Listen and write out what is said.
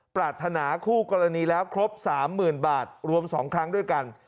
ปรารถนาคู่กรณีแล้วครบ๓๐๐๐บาทรวม๒ครั้งด้วยกัน